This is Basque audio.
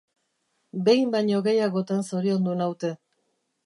Behin baino gehiagotan zoriondu naute.